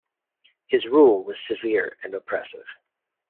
His rule was severe and oppressive.